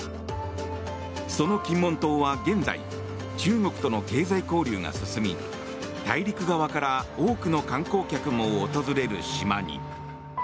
その金門島は現在中国との経済交流が進み大陸側から多くの観光客も訪れる島に。